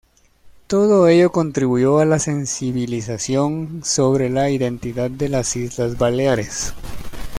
Todo ello contribuyó a la sensibilización sobre la identidad de las Islas Baleares.